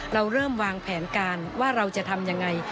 เราเริ่มวางแผนการว่าเราจะทำยังไง